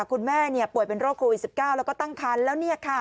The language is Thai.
คุณแม่ป่วยเป็นโรคโควิด๑๙แล้วก็ตั้งครรภ์แล้ว